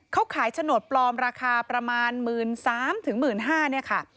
เขาขายโฉนดปลอมราคาประมาณ๑๓๐๐๑๕๐๐บาทเนี่ยค่ะ